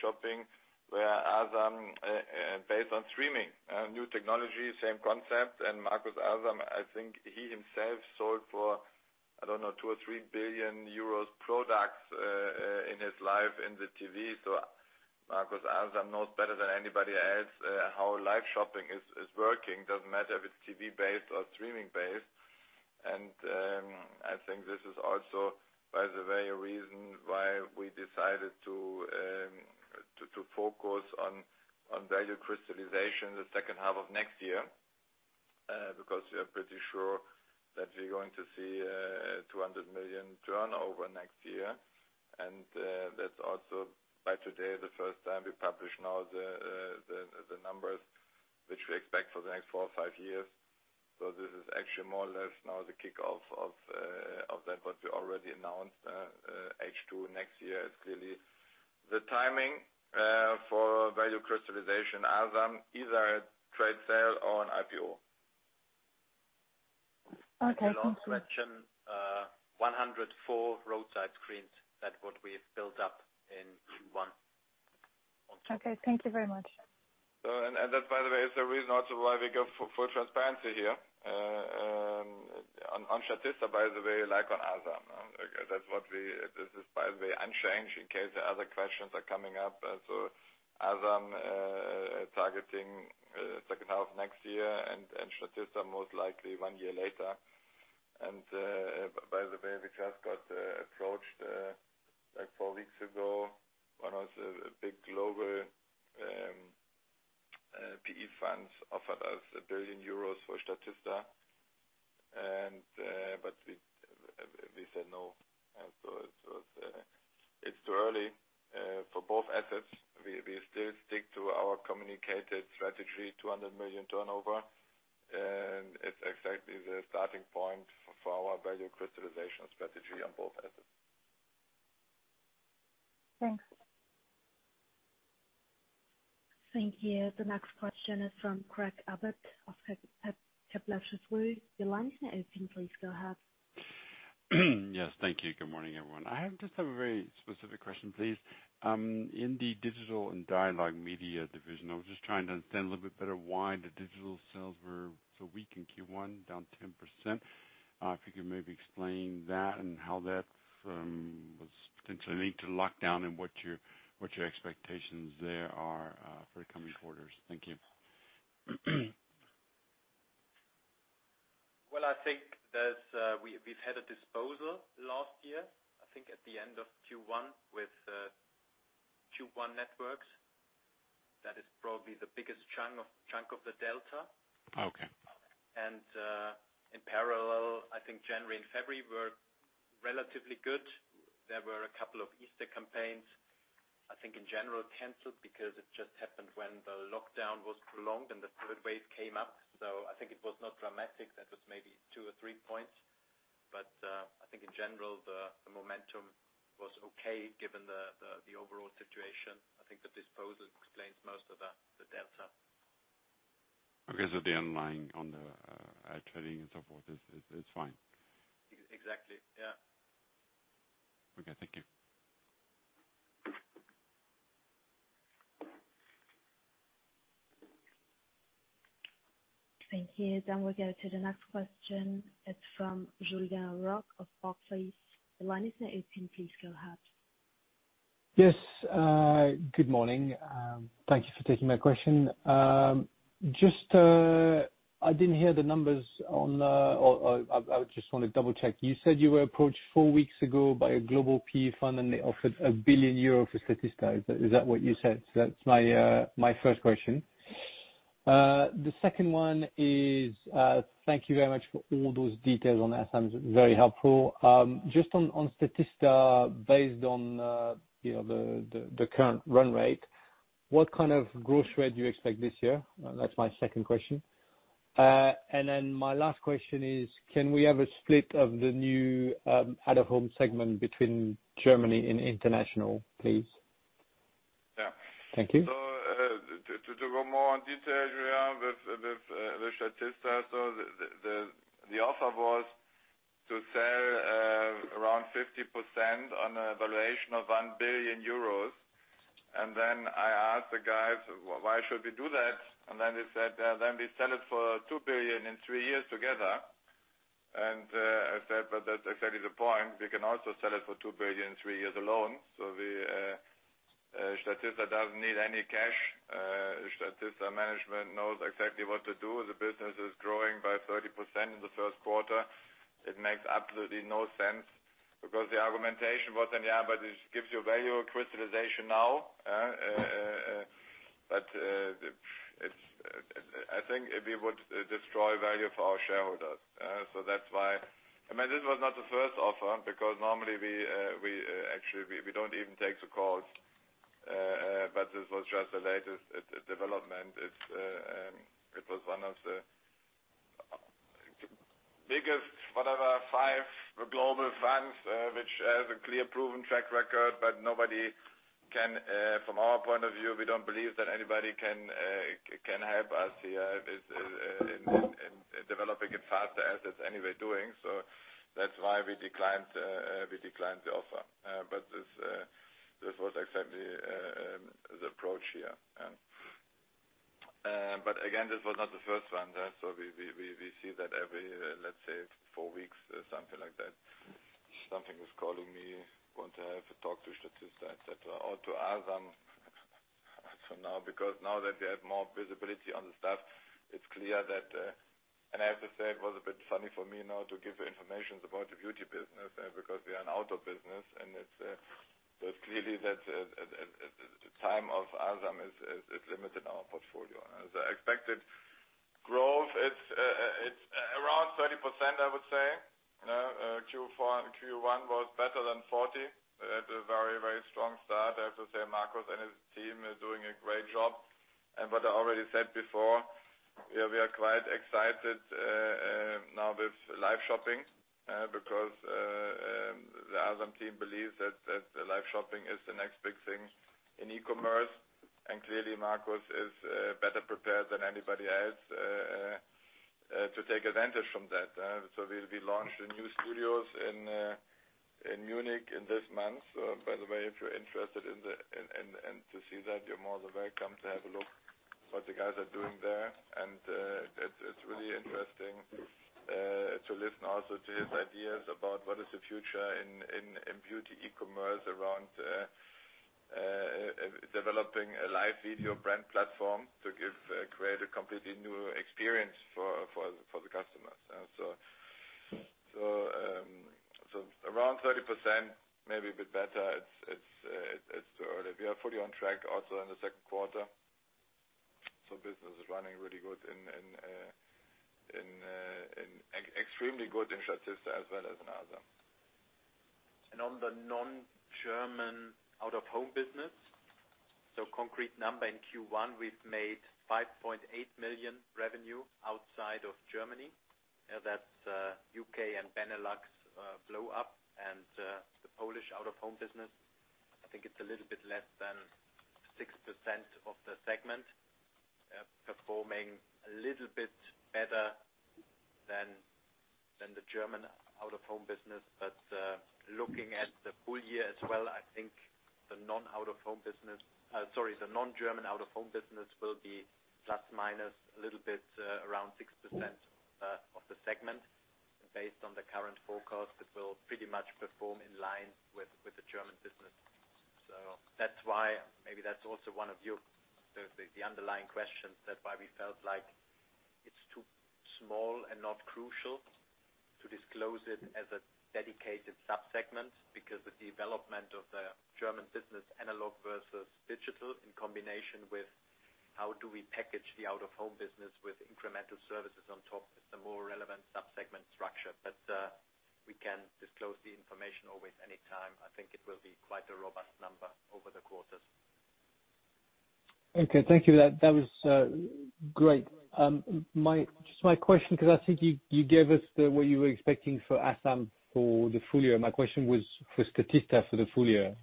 shopping, where Asambeauty, based on streaming, new technology, same concept. Marcus Asam, I think he himself sold for, I don't know, 2 billion or 3 billion euros products in his life in the TV. Marcus Asam knows better than anybody else how live shopping is working. Doesn't matter if it's TV-based or streaming-based. I think this is also, by the way, a reason why we decided to focus on value crystallization the second half of next year, because we are pretty sure that we're going to see 200 million turnover next year. That's also, by today, the first time we publish now the numbers which we expect for the next four or five years. This is actually more or less now the kickoff of that what we already announced, H2 next year is clearly the timing for value crystallization Asam, either a trade sale or an IPO. Okay, thank you. Last mention, 104 roadside screens. That's what we've built up in Q1. Okay, thank you very much. That, by the way, is the reason also why we go for full transparency here. On Statista, by the way, like on Asam. This is, by the way, unchanged in case other questions are coming up. Asam, targeting second half of next year, and Statista most likely one year later. By the way, we just got approached four weeks ago. One of the big global PE funds offered us 1 billion euros for Statista. We said no. It's too early for both assets. We still stick to our communicated strategy, 200 million turnover. It's exactly the starting point for our value crystallization strategy on both assets. Thanks. Thank you. The next question is from Craig Abbott of Kepler Cheuvreux. Your line is now open. Please go ahead. Yes. Thank you. Good morning, everyone. I just have a very specific question, please. In the digital and dialogue media division, I was just trying to understand a little bit better why the digital sales were so weak in Q1, down 10%. If you could maybe explain that and how that was potentially linked to lockdown, and what your expectations there are for the coming quarters. Thank you. Well, I think we've had a disposal last year, I think at the end of Q1 with Tube One Networks. That is probably the biggest chunk of the delta. Okay. In parallel, I think January and February were relatively good. There were a couple of Easter campaigns, I think, in general canceled because it just happened when the lockdown was prolonged, and the third wave came up. I think it was not dramatic, that was maybe two or three points. I think in general the momentum was okay given the overall situation. I think the disposal explains most of the delta. Okay. The underlying on the ad trading and so forth is fine. Exactly. Yeah. Okay. Thank you. Thank you. We'll go to the next question. It's from Julien Roch of Barclays. The line is now open. Please go ahead. Yes. Good morning. Thank you for taking my question. I didn't hear the numbers on, or I just want to double-check. You said you were approached four weeks ago by a global PE fund, and they offered 1 billion euro for Statista. Is that what you said? That's my first question. The second one is, thank you very much for all those details on Asam, very helpful. Just on Statista, based on the current run rate, what kind of growth rate do you expect this year? That's my second question. My last question is, can we have a split of the new out-of-home segment between Germany and international, please? Yeah. Thank you. To go more on detail, Julien, with Statista, the offer was to sell around 50% on a valuation of 1 billion euros. I asked the guys, "Well, why should we do that?" They said, "We sell it for 2 billion in three years together." I said, "That's exactly the point. We can also sell it for 2 billion in three years alone." Statista doesn't need any cash. Statista management knows exactly what to do. The business is growing by 30% in the first quarter. It makes absolutely no sense because the argumentation was, yeah, it gives you value crystallization now. I think we would destroy value for our shareholders. That's why, I mean, this was not the first offer because normally, actually, we don't even take the calls. This was just the latest development. It was one of the biggest, one of our five global funds, which has a clear proven track record. From our point of view, we don't believe that anybody can help us here in developing it faster as it's anyway doing. That's why we declined the offer. This was exactly the approach here. Again, this was not the first one. We see that every, let's say four weeks, something like that. Something is calling me, want to have a talk to Statista, et cetera, or to Asam for now, because now that they have more visibility on the staff. I have to say, it was a bit funny for me now to give you information about the beauty business, because we are an out-of-home business, and it's clearly that the time of Asam is limited in our portfolio. As expected growth, it's around 30%, I would say. Q1 was better than 40%. It had a very strong start. I have to say, Marcus and his team are doing a great job. What I already said before, we are quite excited now with live shopping, because the Asam team believes that live shopping is the next big thing in e-commerce. Clearly, Marcus is better prepared than anybody else to take advantage from that. We'll be launching new studios in Munich this month. By the way, if you're interested and to see that, you're more than welcome to have a look what the guys are doing there. It's really interesting to listen also to his ideas about what is the future in beauty e-commerce around developing a live video brand platform to create a completely new experience for the customers. Around 30%, maybe a bit better. We are fully on track also in the second quarter. Business is running really good and extremely good in Statista as well as in Asam. On the non-German out-of-home business, so concrete number in Q1, we've made 5.8 million revenue outside of Germany. That's U.K. and Benelux blowUP out-of-home business, I think it's a little bit less than 6% of the segment, performing a little bit better than the German out-of-home business. Looking at the full year as well, I think the non-German out-of-home business will be plus-minus a little bit around 6% of the segment. Based on the current forecast, it will pretty much perform in line with the German business. That's why, maybe that's also one of your, the underlying questions, that's why we felt like it's too small and not crucial to disclose it as a dedicated sub-segment, because the development of the German business analog versus digital, in combination with how do we package the out-of-home business with incremental services on top, is the more relevant sub-segment structure. We can disclose the information always anytime. I think it will be quite a robust number over the quarters. Okay. Thank you. That was great. Just my question, because I think you gave us what you were expecting for Asam for the full year. My question was for Statista for the full year.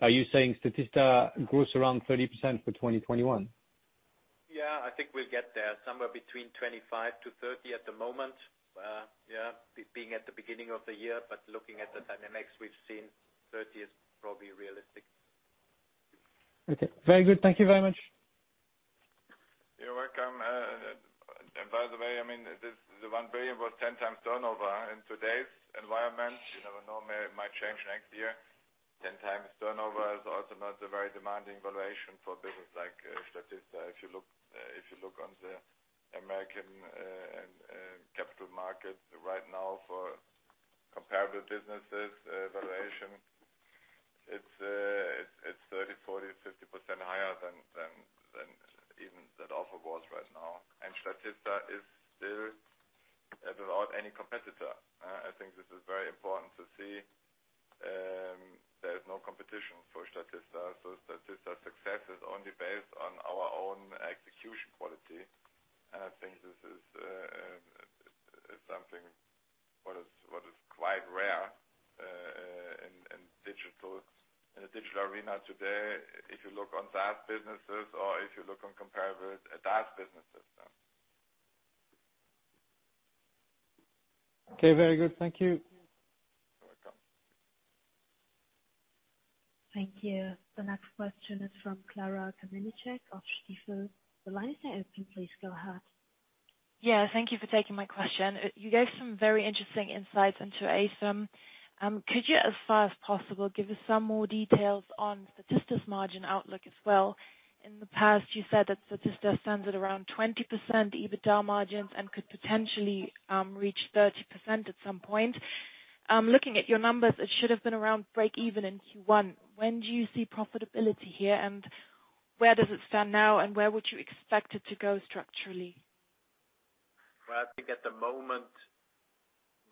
Are you saying Statista grows around 30% for 2021? Yeah, I think we'll get there, somewhere between 25%-30% at the moment. Being at the beginning of the year, looking at the dynamics we've seen, 30% is probably realistic. Okay. Very good. Thank you very much. You're welcome. By the way, the 1 billion was 10x turnover in today's environment. We know it might change next year. 10x turnover is also not a very demanding valuation for a business like Statista. If you look on the U.S. capital market right now for comparable businesses valuation, it's 30%, 40%, 50% higher than even that offer was right now. Statista is still without any competitor. I think this is very important to see. There is no competition for Statista, so Statista's success is only based on our own execution quality, and I think this is something what is quite rare in the digital arena today, if you look on SaaS businesses or if you look on comparable DaaS businesses. Okay, very good. Thank you. You're welcome. Thank you. The next question is from Clara Kamíněck of Stifel. The line is now open. Please go ahead. Thank you for taking my question. You gave some very interesting insights into Asam. Could you, as far as possible, give us some more details on Statista's margin outlook as well? In the past, you said that Statista stands at around 20% EBITDA margins and could potentially reach 30% at some point. Looking at your numbers, it should have been around breakeven in Q1. When do you see profitability here, and where does it stand now, and where would you expect it to go structurally? I think at the moment,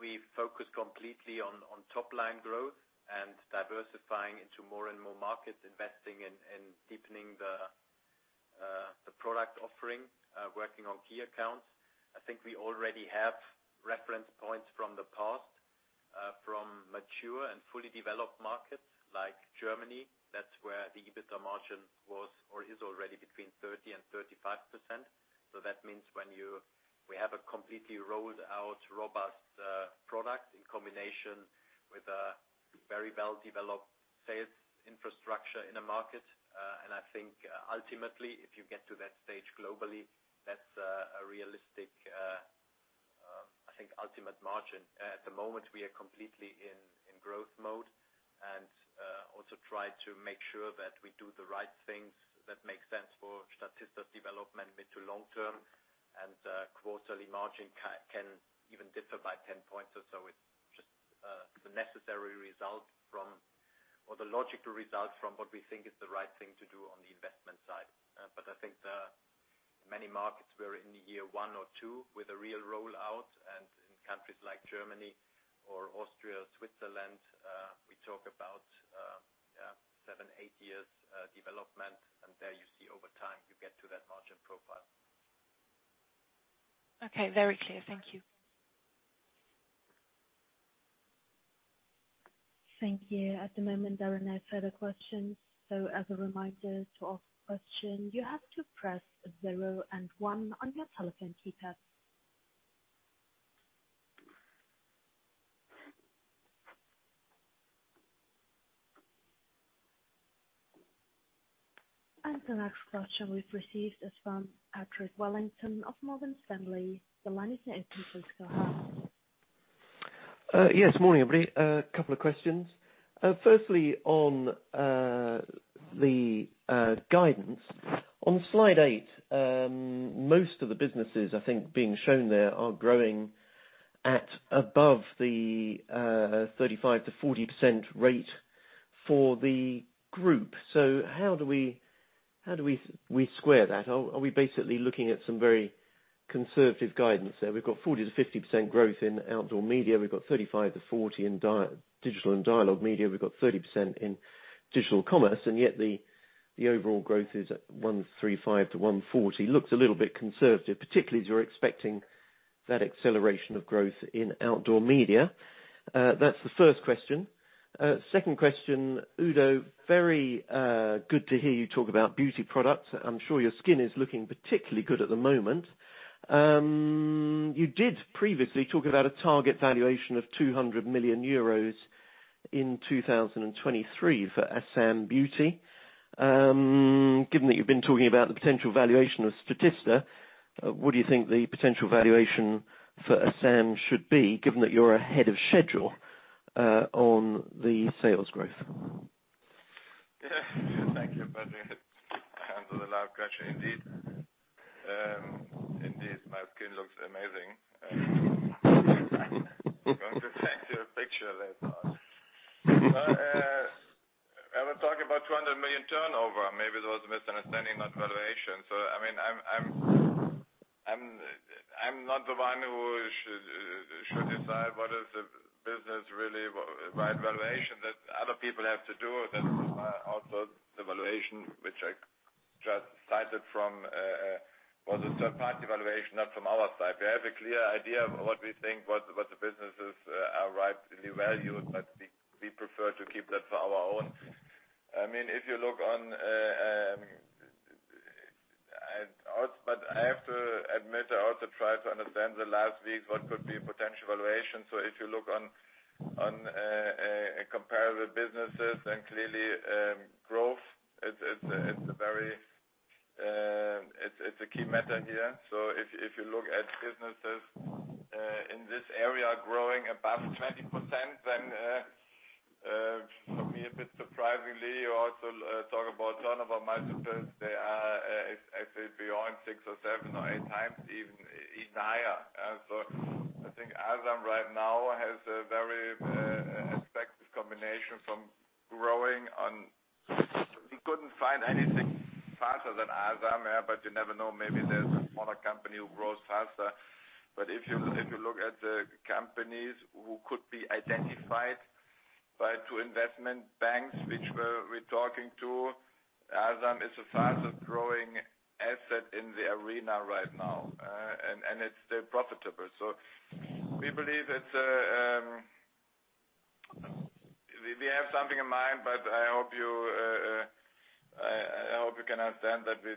we focus completely on top-line growth and diversifying into more and more markets, investing and deepening the product offering, working on key accounts. I think we already have reference points from the past, from mature and fully developed markets like Germany. That's where the EBITDA margin was or is already between 30%-35%. That means when we have a completely rolled out robust product in combination with a very well-developed sales infrastructure in a market, and I think ultimately, if you get to that stage globally, that's a realistic, I think, ultimate margin. At the moment, we are completely in growth mode and also try to make sure that we do the right things that make sense for Statista's development mid to long term, and quarterly margin can even differ by 10 points or so. It's just the necessary result or the logical result from what we think is the right thing to do on the investment side. I think many markets, we're in year one or two with a real rollout, and in countries like Germany or Austria, Switzerland, we talk about seven, eight years development, and there you see over time you get to that margin profile. Okay, very clear. Thank you. Thank you. At the moment, there are no further questions. As a reminder, to ask a question, you have to press zero and one on your telephone keypad. The next question we've received is from Patrick Wellington of Morgan Stanley. The line is now open. Please go ahead. Morning, everybody. A couple of questions. Firstly, on the guidance. On slide eight, most of the businesses I think being shown there are growing at above the 35%-40% rate for the group. How do we square that? Are we basically looking at some very conservative guidance there? We've got 40%-50% growth in outdoor media. We've got 35%-40% in digital and dialogue media. We've got 30% in digital commerce, yet the overall growth is at 135%-140%. Looks a little bit conservative, particularly as you're expecting that acceleration of growth in outdoor media. That's the first question. Second question, Udo, very good to hear you talk about beauty products. I'm sure your skin is looking particularly good at the moment. You did previously talk about a target valuation of 200 million euros in 2023 for Asam Beauty. Given that you've been talking about the potential valuation of Statista, what do you think the potential valuation for Asam should be, given that you're ahead of schedule on the sales growth? Thank you, Patrick. That was a loud question indeed. My skin looks amazing. I'm going to send you a picture later. I was talking about 200 million turnover. Maybe there was a misunderstanding, not valuation. I'm not the one who should decide what is the business really right valuation that other people have to do. That also the valuation which I just cited from, was a third-party valuation, not from our side. We have a clear idea of what we think, what the businesses are rightly valued, but we prefer to keep that for our own. I have to admit, I also try to understand the last week what could be potential valuation. If you look on a comparable businesses, then clearly growth, it's a key method here. If you look at businesses in this area growing above 20%, then for me, a bit surprisingly, you also talk about turnover multiples. They are, I say beyond six or seven or eight times even, higher. I think Asam right now has a very attractive combination. We couldn't find anything faster than Asam, but you never know, maybe there's a smaller company who grows faster. If you look at the companies who could be identified by two investment banks, which we're talking to, Asam is the fastest growing asset in the arena right now. It's still profitable. We have something in mind, but I hope you can understand that we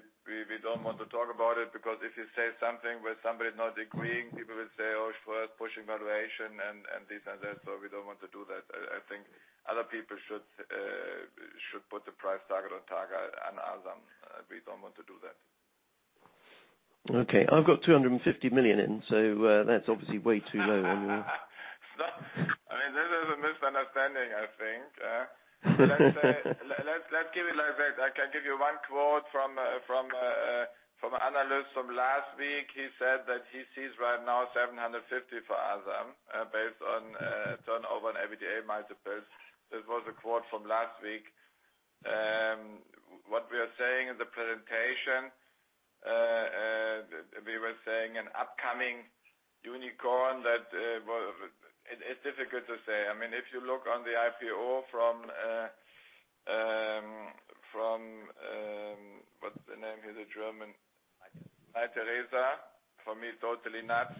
don't want to talk about it because if you say something where somebody is not agreeing, people will say, "Oh, Ströer pushing valuation," and this and that. We don't want to do that. I think other people should put the price target on Ströer and Asam. We don't want to do that. Okay. I've got 250 million in, so that's obviously way too low on your- Stop. This is a misunderstanding, I think. Let's give it like that. I can give you one quote from an analyst from last week. He said that he sees right now 750 for Asam, based on turnover and EBITDA multiples. This was a quote from last week. What we are saying in the presentation, we were saying an upcoming unicorn. It's difficult to say. If you look on the IPO from, what's the name here, the German? Mytheresa. Mytheresa. For me, totally nuts.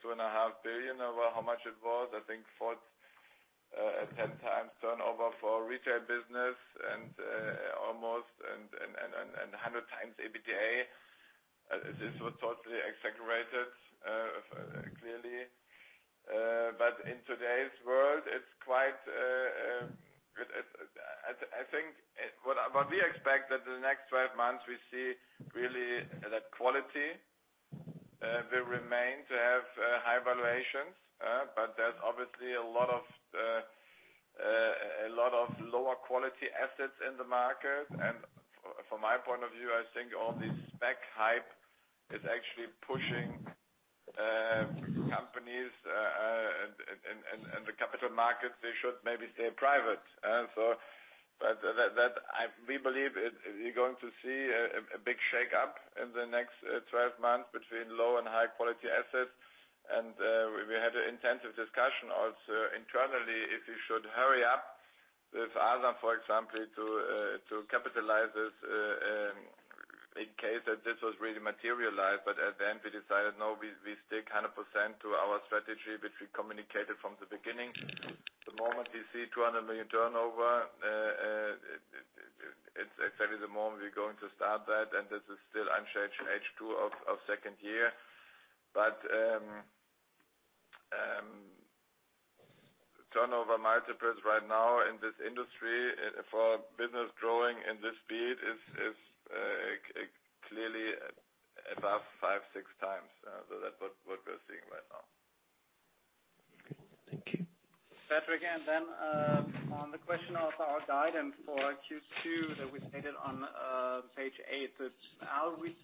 2.5 billion or how much it was, I think four, 10 times turnover for retail business and almost and 100x EBITDA. This was totally exaggerated, clearly. In today's world, I think what we expect that the next 12 months, we see really that quality will remain to have high valuations. From my point of view, I think all this SPAC hype is actually pushing companies and the capital markets, they should maybe stay private. We believe you're going to see a big shakeup in the next 12 months between low and high-quality assets. We had an intensive discussion also internally, if we should hurry up with Asam, for example, to capitalize this in case that this was really materialized. At the end, we decided, no, we stay 100% to our strategy, which we communicated from the beginning. The moment we see 200 million turnover, it's exactly the moment we're going to start that, and this is still unchanged H2 of second year. Turnover multiples right now in this industry for business growing in this speed is clearly above five, six times. That's what we're seeing right now. Okay. Thank you. Patrick, on the question of our guidance for Q2 that we stated on page eight, how we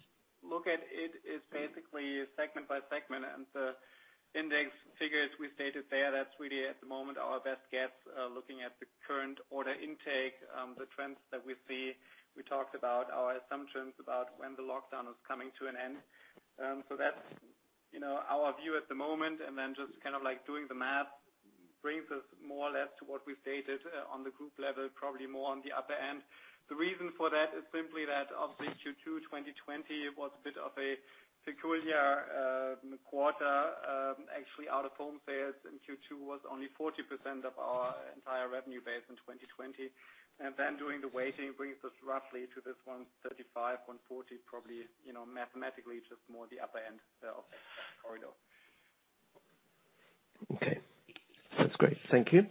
look at it is basically segment by segment. The index figures we stated there, that's really at the moment our best guess, looking at the current order intake, the trends that we see, we talked about our assumptions about when the lockdown is coming to an end. That's our view at the moment, then just doing the math brings us more or less to what we've stated on the group level, probably more on the upper end. The reason for that is simply that, obviously, Q2 2020 was a bit of a peculiar quarter. Actually, out-of-home sales in Q2 was only 40% of our entire revenue base in 2020. Then doing the weighting brings us roughly to this 135 million-140 million, probably, mathematically just more the upper end of that corridor. Okay. That's great. Thank you.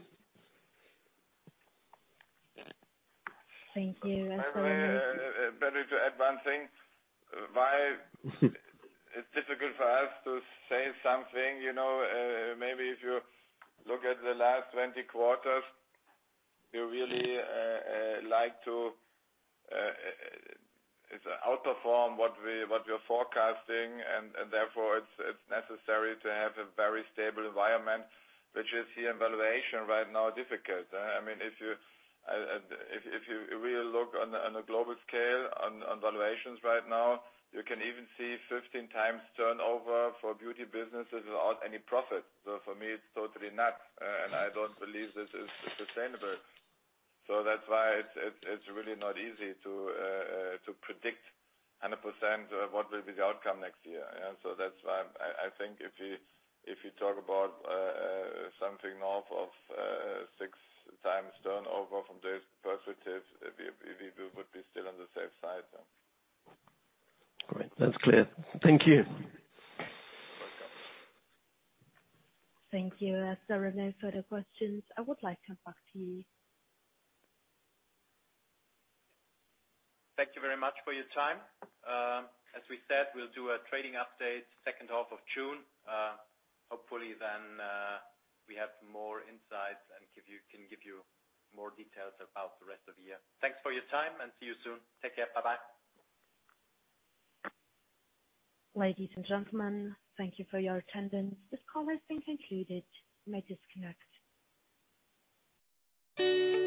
Thank you. By the way, better to add one thing. Why it's difficult for us to say something, maybe if you look at the last 20 quarters, we really like to outperform what we're forecasting, and therefore, it's necessary to have a very stable environment, which is here in valuation right now difficult. If you really look on a global scale on valuations right now, you can even see 15x turnover for beauty businesses without any profit. For me, it's totally nuts, and I don't believe this is sustainable. That's why it's really not easy to predict 100% what will be the outcome next year. That's why I think if you talk about something north of 6x turnover from this perspective, we would be still on the safe side then. Great. That's clear. Thank you. You're welcome. Thank you. As there are no further questions, I would like to thank you. Thank you very much for your time. As we said, we'll do a trading update second half of June. Hopefully then, we have more insights and can give you more details about the rest of the year. Thanks for your time, and see you soon. Take care. Bye-bye. Ladies and gentlemen, thank you for your attendance. This call has been concluded. You may disconnect.